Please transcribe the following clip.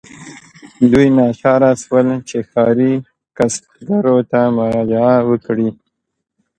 دوی ناچاره شول چې ښاري کسبګرو ته مراجعه وکړي.